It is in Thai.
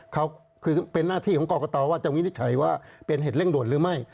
เขาคือเป็นหน้าที่ของกรกตว่าจะวินิจฉัยว่าเป็นเหตุเร่งด่วนหรือไม่